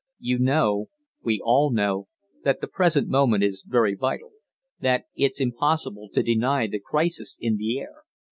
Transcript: "You know we all know that the present moment is very vital. That it's impossible to deny the crisis in the air.